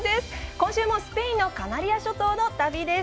今週もスペインのカナリア諸島の旅です。